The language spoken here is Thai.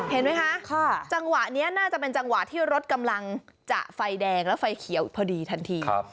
เห็นไหมคะจังหวะนี้น่าจะเป็นจังหวะที่รถกำลังจะไฟแดงและไฟเขียวพอดีทันที